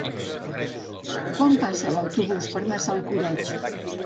Quan passa l'autobús per Massalcoreig?